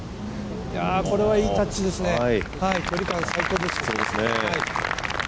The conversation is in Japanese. これはいいタッチですね、堀川、最高です。